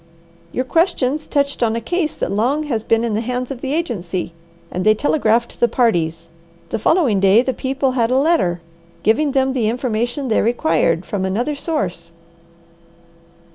"Your questions touched on a case that long has been in the hands of the agency, and they telegraphed the parties. The following day the people had a letter, giving them the information they required, from another source."